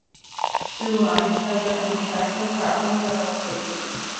The two lines have their own tracks and platforms at all stations.